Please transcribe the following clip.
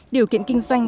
điều kiện kinh doanh